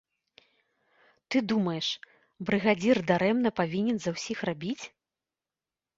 Ты думаеш, брыгадзір дарэмна павінен за ўсіх рабіць?